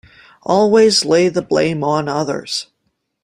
Always lay the blame on others!’